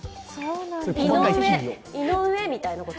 井上、みたいなこと？